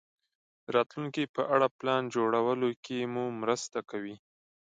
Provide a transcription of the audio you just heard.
د راتلونکې په اړه پلان جوړولو کې مو مرسته کوي.